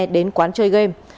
đến quán chơi game